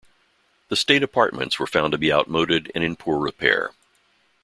The state apartments were found to be outmoded and in poor repair.